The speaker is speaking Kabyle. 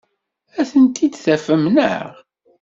Ad tent-id-tafem, naɣ?